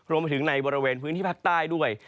รวมไปถึงในบริเวณพื้นที่ภาคใต้ด้วย